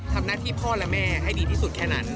ทำหน้าที่พ่อและแม่ให้ดีที่สุดแค่นั้น